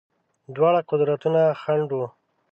دواړه قدرتونه خنډ وه.